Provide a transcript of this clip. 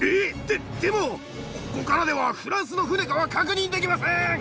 ででもここからではフランスの船かは確認できません！